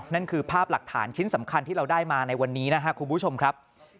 นั่นคือภาพหลักฐานชิ้นสำคัญที่เราได้มาในวันนี้นะครับคุณผู้ชมครับ